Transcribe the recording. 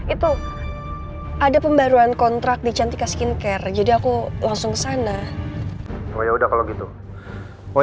itu ada pembaruan kontrak di cantika skincare jadi aku langsung sana oh ya udah kalau gitu oh